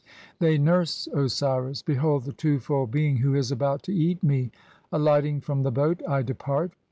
They "nurse Osiris. Behold the two fold being who is about to eat "me ! Alighting from the boat I depart